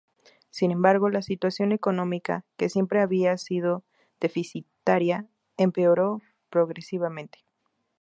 Sin embargo la situación económica, que siempre había sido deficitaria, empeoró progresivamente.